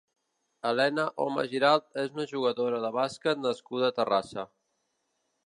Helena Oma Giralt és una jugadora de basquet nascuda a Terrassa.